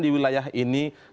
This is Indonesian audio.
di wilayah jawa barat